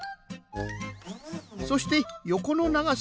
そしてよこのながさのぶん